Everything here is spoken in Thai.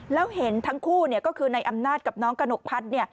แล้วเห็นทั้งคู่ก็คือในอำนาจกับน้องกระหนกพัฒน์